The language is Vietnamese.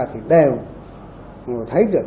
thì đều thấy được